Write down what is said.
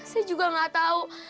saya juga gak tau